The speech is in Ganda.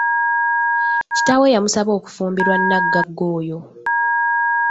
Kitaawe yamusaba okufumbirwa nagagga oyo.